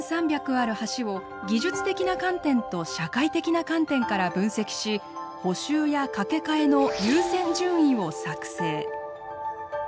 ある橋を技術的な観点と社会的な観点から分析し補修や架け替えの優先順位を作成。